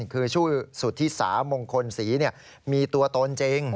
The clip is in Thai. คือชื่อสุธิสามงคลศรีมีตัวตนจริง